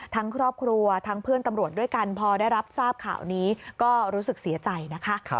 ทั้งครอบครัวทั้งเพื่อนตำรวจด้วยกันพอได้รับทราบข่าวนี้ก็รู้สึกเสียใจนะคะ